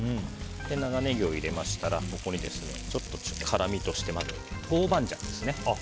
長ネギを入れましたらここに辛みとして豆板醤です。